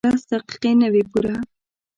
لس دقیقې نه وې پوره.